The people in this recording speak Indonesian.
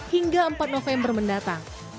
hingga empat november mendatang